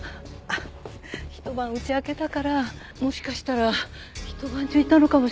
ひと晩家空けたからもしかしたらひと晩中いたのかもしれない。